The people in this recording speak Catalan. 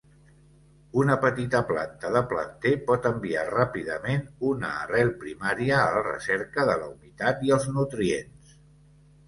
Una petita planta de planter pot enviar ràpidament una arrel primària a la recerca de la humitat i els nutrients.